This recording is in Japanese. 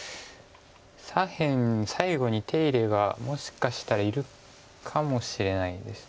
左辺最後に手入れがもしかしたらいるかもしれないんです。